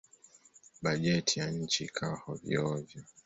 Bajeti ya nchi ikawa hovyo-hovyo.